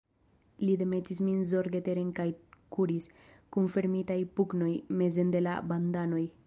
Li demetis min zorge teren kaj kuris, kun fermitaj pugnoj, mezen de la bandanoj.